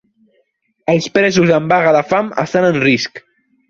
Els presos en vaga de fam estan en risc